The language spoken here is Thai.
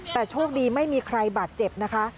แต่โชคดีไม่มีใครบาดเจ็บนะคะ